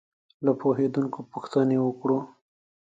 له پوهېدونکو پوښتنې وکړو.